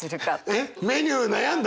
えっメニュー悩んだの？